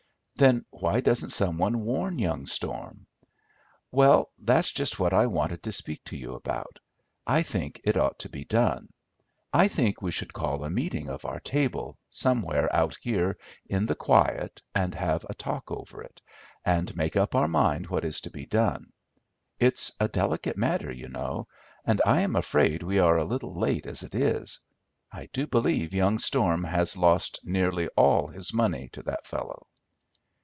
"Then why doesn't some one warn young Storm?" "Well, that's just what I wanted to speak to you about. I think it ought to be done. I think we should call a meeting of our table, somewhere out here in the quiet, and have a talk over it, and make up our mind what is to be done. It's a delicate matter, you know, and I am afraid we are a little late as it is. I do believe young Storm has lost nearly all his money to that fellow."